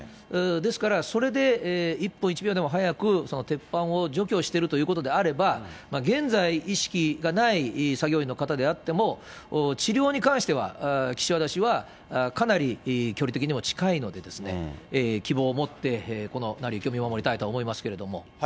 ですから、それで１分１秒でも早く鉄板を除去しているということであれば、現在、意識がない作業員の方であっても、治療に関しては、岸和田市はかなり距離的にも近いので、希望を持って、この成り行きを見守りたいと思いますけれども。